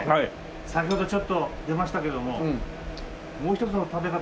先ほどちょっと出ましたけどももう一つの食べ方。